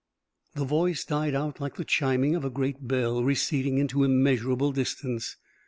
The Voice died out like the chiming of a great bell receding into immeasurable distance.